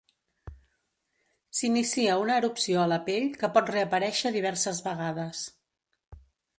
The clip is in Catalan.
S'inicia una erupció a la pell que pot reaparèixer diverses vegades.